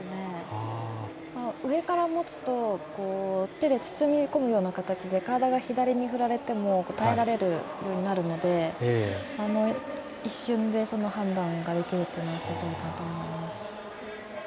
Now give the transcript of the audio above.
上から持つと手で包み込むような形で体が左に振られても耐えられるようになるので一瞬で、その判断ができるっていうのはすごいなと思います。